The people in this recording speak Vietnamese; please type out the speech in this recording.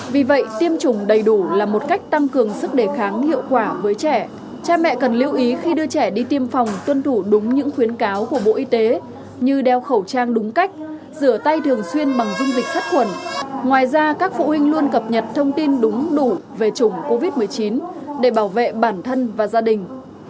vì vậy tiêm chủng đầy đủ là một cách tăng cường sức đề kháng hiệu quả với trẻ cha mẹ cần lưu ý khi đưa trẻ đi tiêm phòng tuân thủ đúng những khuyến cáo của bộ y tế như đeo khẩu trang đúng cách rửa tay thường xuyên bằng dung dịch sắt khuẩn ngoài ra các phụ huynh luôn cập nhật thông tin đúng đủ về chủng covid một mươi chín để bảo vệ bản thân và gia đình